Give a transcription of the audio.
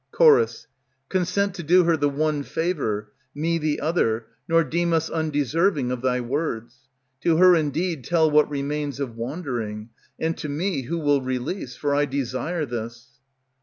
Ch. Consent to do her the one favor, Me the other, nor deem us undeserving of thy words; To her indeed tell what remains of wandering, And to me, who will release; for I desire this.